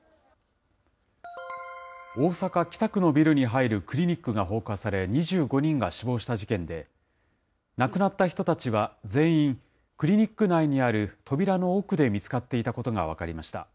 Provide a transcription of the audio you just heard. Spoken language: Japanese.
大阪・北区のビルに入るクリニックが放火され、２５人が死亡した事件で、亡くなった人たちは全員、クリニック内にある扉の奥で見つかっていたことが分かりました。